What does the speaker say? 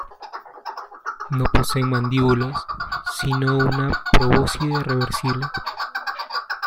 No poseen mandíbulas, si no una probóscide reversible.